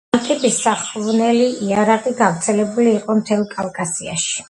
ამ ტიპის სახვნელი იარაღი გავრცელებული იყო მთელ კავკასიაში.